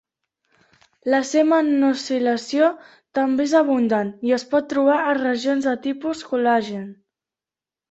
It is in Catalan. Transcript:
La C-Mannosilació també és abundant i es pot trobar a regions de tipus col·lagen.